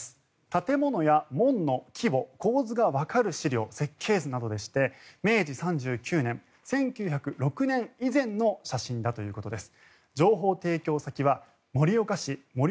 建物や門の規模、構図がわかる資料設計図などでして明治３９年１９０６年以前の写真だということです。